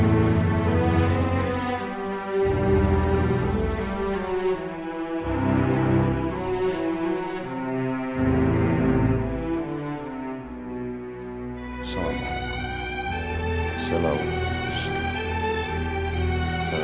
memang lagi agar ke oscar